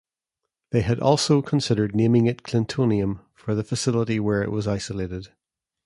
They had also considered naming it "clintonium" for the facility where it was isolated.